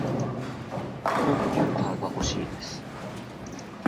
コンピューターがほしいです。